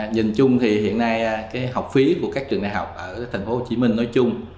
nhìn chung thì hiện nay học phí của các trường đại học ở tp hcm nói chung